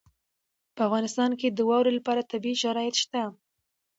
په افغانستان کې د واورې لپاره طبیعي شرایط شته.